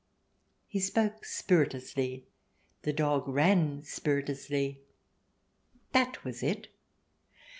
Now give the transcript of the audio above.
He spoke spiritlessly, the dog ran spiritlessly. That was it.